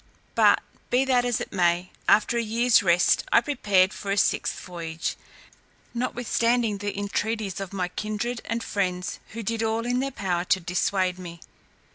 But be that as it may, after a year's rest I prepared for a sixth voyage, notwithstanding the intreaties of my kindred and friends, who did all in their power to dissuade me.